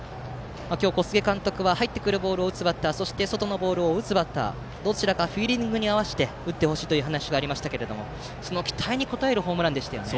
今日、小菅監督は入ってくるボールを打つバッターそして外のボールを打つバッターどちらかフィーリングに合わせて打ってほしいという話がありましたがその期待に応えるホームランでしたね。